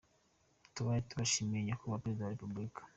Tubaye tubashimiye nyakubahwa Perezida wa Repubulika.